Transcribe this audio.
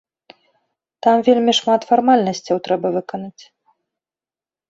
Там вельмі шмат фармальнасцяў трэба выканаць.